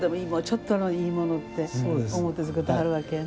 ちょっとでもいいものって思って作ってはるわけやね。